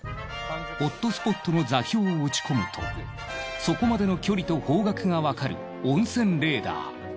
ホットスポットの座標を打ち込むとそこまでの距離と方角がわかる温泉レーダー。